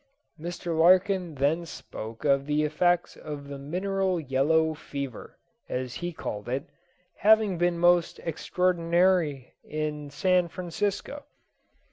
'" Mr. Larkin then spoke of the effects of the "mineral yellow fever," as he called it, having been most extraordinary in San Francisco.